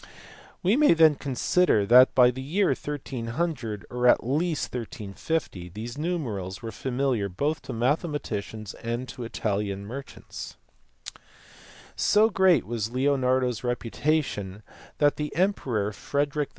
We may then consider that by the year 1300, or at the latest 1350, these numerals were familiar both to mathematicians and to Italian merchants. So great was Leonardo s reputation that the emperor Frederick II.